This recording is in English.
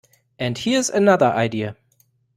And here's another idea.